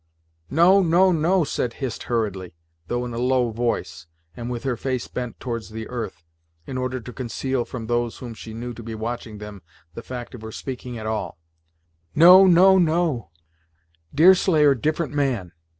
"No no no " said Hist hurriedly, though in a low voice, and with her face bent towards the earth, in order to conceal from those whom she knew to be watching them the fact of her speaking at all. "No no no Deerslayer different man.